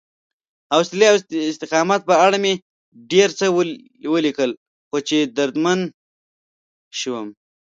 حوصلې او استقامت په اړه مې ډېر څه ولیکل، خو چې دردمن شوم